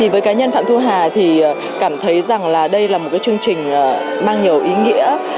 với cá nhân phạm thu hà thì cảm thấy rằng đây là một chương trình mang nhiều ý nghĩa